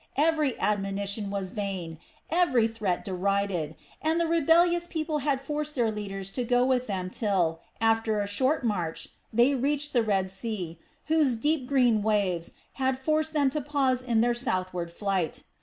Every admonition was vain, every threat derided, and the rebellious people had forced their leaders to go with them till, after a short march, they reached the Red Sea, whose deep green waves had forced them to pause in their southward flight.